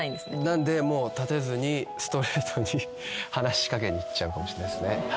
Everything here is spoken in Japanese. なのでもう立てずにストレートに話し掛けにいっちゃうかもしれないですね。